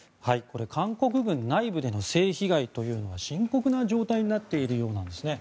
韓国軍内部での性被害というのは深刻な状態になっているようなんですね。